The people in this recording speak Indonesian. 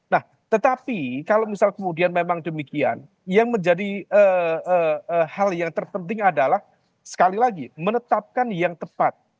nah tetapi kalau misal kemudian memang demikian yang menjadi hal yang terpenting adalah sekali lagi menetapkan yang tepat